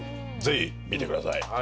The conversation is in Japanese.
ぜひ見てください。